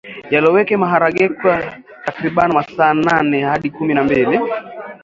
Yaloweke maharagekwa takriban masaa nane hadi kumi na mbili